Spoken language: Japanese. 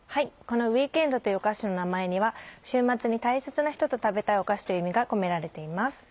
この「ウイークエンド」というお菓子の名前には週末に大切な人と食べたいお菓子という意味が込められています。